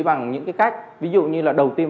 bằng những cái cách ví dụ như là đầu tiên